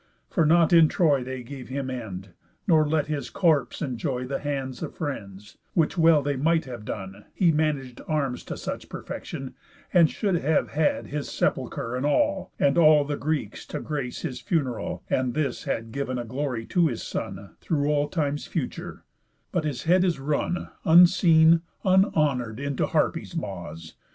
For not in Troy They gave him end, nor let his corpse enjoy The hands of friends (which well they might have done, He manag'd arms to such perfection, And should have had his sepulchre, and all, And all the Greeks to grace his funeral, And this had giv'n a glory to his son Through all times future) but his head is run Unseen, unhonour'd, into Harpies' maws.